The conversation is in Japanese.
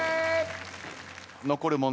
残る問題